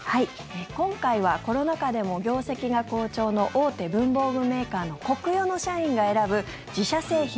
今回はコロナ禍でも業績が好調の大手文房具メーカーのコクヨの社員が選ぶ自社製品